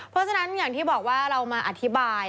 เพราะฉะนั้นอย่างที่บอกว่าเรามาอธิบาย